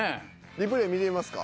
リプレイ見てみますか？